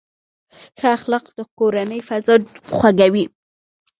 ښه اخلاق د کورنۍ فضا خوږوي.